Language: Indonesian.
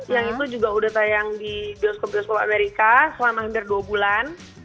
yang itu juga udah tayang di bioskop bioskop amerika selama hampir dua bulan